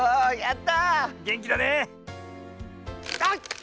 あっ！